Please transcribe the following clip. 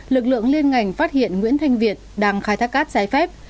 lực lượng liên ngành phát hiện nguyễn thanh việt đang khai thác cát trái phép